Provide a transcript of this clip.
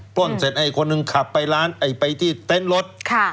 ปล้นเสร็จให้๑คนขับไปที่เต้นรถ